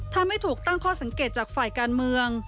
ทำให้ถูกตั้งข้อสังเกตจากฝ่ายการเมือง